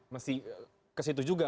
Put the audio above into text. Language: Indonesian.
masih kesitu juga